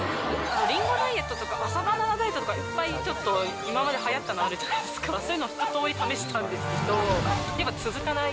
りんごダイエットとか、朝バナナダイエットとか、いっぱいちょっと、今まではやったのあるじゃないですか、そういうのひととおり試したんですけれども、やっぱ続かない。